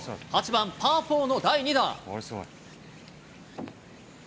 ８番パー４の第２打。